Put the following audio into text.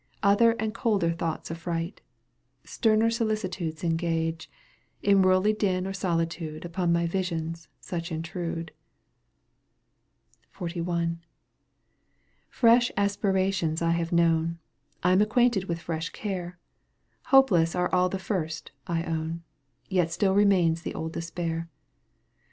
Other and colder thoughts afifright, Sterner solicitudes engage, In worldly din or solitude Upon my visions such intrude. ХЫ. Fresh aspirations I have known, I am acquainted with fresh care, Hopeless are all the first, I own, Yet still remains the old despair.